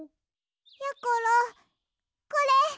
やころこれ。